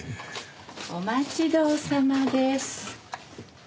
お待ちどおさまです。